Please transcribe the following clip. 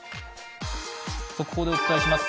速報でお伝えします。